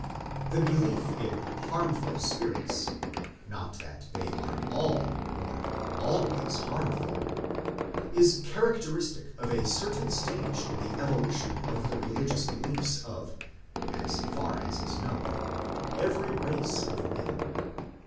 The belief in harmful spirits (not that they are all or always harmful) is characteristic of a certain stage in the evolution of the religious beliefs of, as far as is known, every race of men.